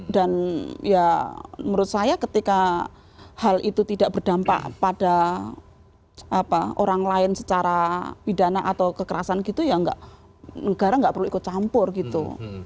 dan ya menurut saya ketika hal itu tidak berdampak pada orang lain secara pidana atau kekerasan gitu ya negara tidak perlu ikut campur gitu